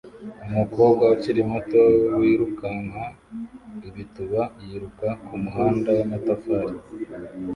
Umukobwa ukiri muto wirukanka ibituba yiruka kumuhanda wamatafari